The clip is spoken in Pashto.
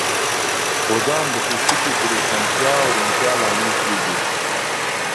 غوزان د پوستکي د روښانتیا او روڼتیا لامل کېږي.